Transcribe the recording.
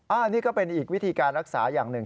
อันนี้ก็เป็นอีกวิธีการรักษาอย่างหนึ่ง